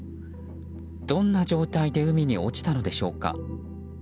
どんな状態で海に落ちたのでしょうか。